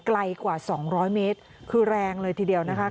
ไกลกว่า๒๐๐เมตรคือแรงเลยทีเดียวนะคะ